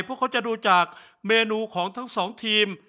เพราะเขาจะดูจากเมนูของทั้งสองทีม